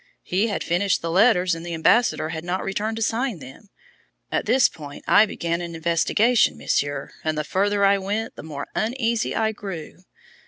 He had finished the letters and the ambassador had not returned to sign them. At this point I began an investigation, Monsieur, and the further I went the more uneasy I grew.